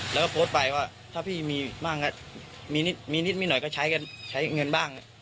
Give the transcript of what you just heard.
แล้วก็โพสต์ไปว่าถ้าพี่มีบ้างมีนิดหน่อยก็ใช้เงินบ้าง